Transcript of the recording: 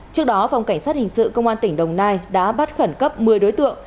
trước đó phòng cảnh sát hình sự công an tỉnh đồng nai đã bắt khẩn cấp một mươi đối tượng